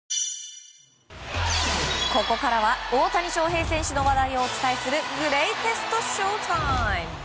ここからは大谷翔平選手の話題をお伝えするグレイテストＳＨＯ‐ＴＩＭＥ。